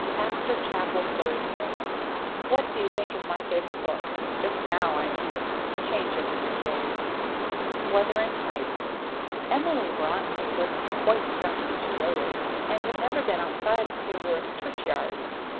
After chapel, Thursday What do you think is my favourite book? Just now, I mean; I change every three days. Wuthering Heights. Emily Bronte was quite young when she wrote it, and had never been outside of Haworth churchyard.